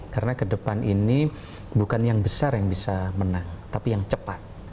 karena ke depan ini bukan yang besar yang bisa menang tapi yang cepat